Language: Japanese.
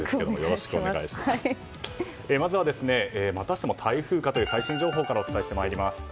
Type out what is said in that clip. まずはまたしても台風かという最新情報からお伝えします。